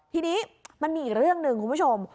ทีนี้มันมีอีกเรื่องหนึ่งคุณผู้ชม